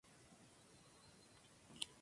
Fuente: Liga I